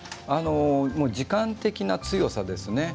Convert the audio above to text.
時間的な強さですね。